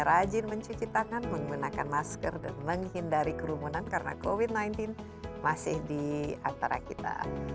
rajin mencuci tangan menggunakan masker dan menghindari kerumunan karena covid sembilan belas masih di antara kita